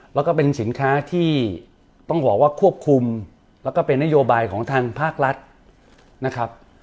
แล้วก็เป็นสินค้าที่ต้องบอกว่าควบคุมแล้วก็เป็นนโยบายของทางภาครัฐนะครับ